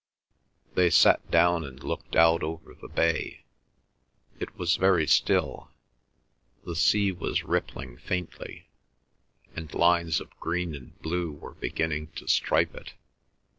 They sat down and looked out over the bay; it was very still, the sea was rippling faintly, and lines of green and blue were beginning to stripe it.